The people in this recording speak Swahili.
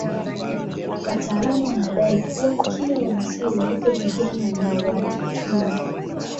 Wataalamu wanadai kuwa kila Wamasai walipopigana na Wataturu